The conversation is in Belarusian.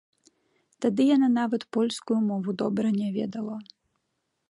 Тады яна нават польскую мову добра не ведала.